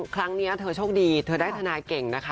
ครั้งนี้เธอโชคดีเธอได้ทนายเก่งนะคะ